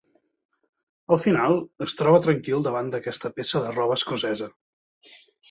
Al final, es troba tranquil davant d'aquesta peça de roba escocesa.